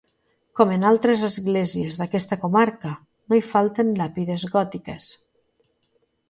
Com en altres esglésies d'aquesta comarca no hi falten làpides gòtiques.